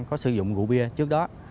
có sử dụng gũ bia trước đó